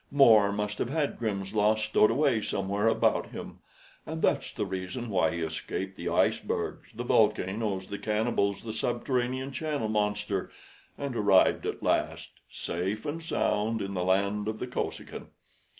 More must have had Grimm's Law stowed away somewhere about him; and that's the reason why he escaped the icebergs, the volcanoes, the cannibals, the subterranean channel monster, and arrived at last safe and sound in the land of the Kosekin.